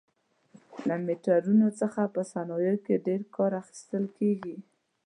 له میټرونو څخه په صنایعو کې ډېر کار اخیستل کېږي.